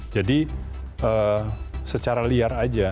jadi secara liar aja